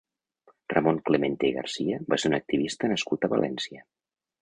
Ramon Clemente i Garcia va ser un activista nascut a València.